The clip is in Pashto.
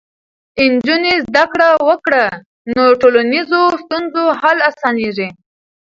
نجونې زده کړه وکړي، نو د ټولنیزو ستونزو حل اسانېږي.